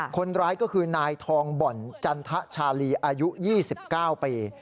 คนร้ายก็คือนายทองบ่อนจันทชาลีอายุ๒๙ปี